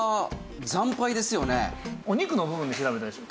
お肉の部分で調べたでしょ。